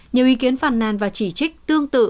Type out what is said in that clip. nhiều ý kiến phản nàn và chỉ trích tương tự